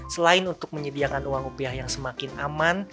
selain untuk menyediakan uang rupiah yang semakin aman